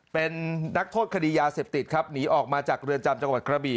เป็นนักโทษคดียาเสพติดครับหนีออกมาจากเรือนจำจังหวัดกระบี่